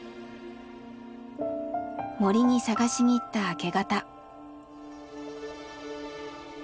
森に探しに行った明け方。